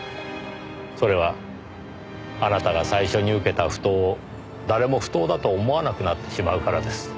それはあなたが最初に受けた不当を誰も不当だと思わなくなってしまうからです。